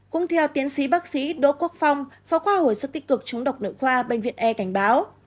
cũng theo tiến sĩ bác sĩ đỗ quốc phong phó khoa hồi sức tích cực chống độc nội khoa bệnh viện e cảnh báo